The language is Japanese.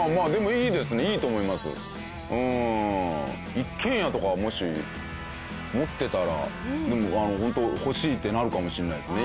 一軒家とかをもし持ってたらでも本当欲しいってなるかもしれないですね。